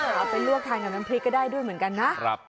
เอาไปลวกทานกับน้ำพริกก็ได้ด้วยเหมือนกันนะ